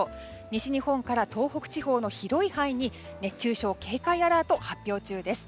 西日本から東北地方の広い範囲に熱中症警戒アラート発表中です。